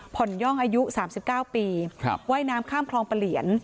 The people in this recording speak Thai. ผ่อนย่องอายุสามสิบเก้าปีครับว่ายน้ำข้ามคลองเปลี่ยน